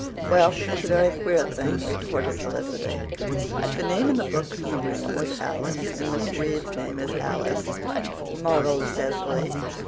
"Well, it's a very queer thing," retorted Felicity. "The name in the books in the room was Alice and Miss Reade's name is Alice," marvelled Cecily.